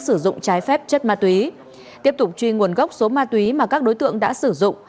sử dụng trái phép chất ma túy tiếp tục truy nguồn gốc số ma túy mà các đối tượng đã sử dụng